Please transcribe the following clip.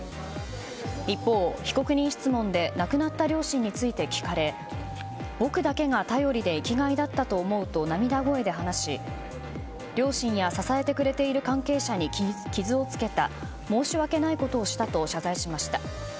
一方、被告人質問で亡くなった両親について聞かれ僕だけが頼りで生きがいだったと思うと涙声で話し両親や支えてくれている関係者に傷をつけた申し訳ないことをしたと謝罪しました。